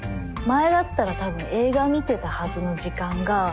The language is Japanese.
前だったら多分映画見てたはずの時間が。